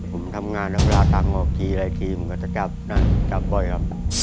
ผมทำงานแล้วเวลาทางออกทีไรทีมันก็จะกลับนะจับบ่อยครับ